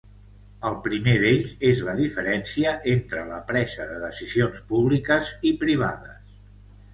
El primer d'ells és la diferència entre la presa de decisions públiques i privades.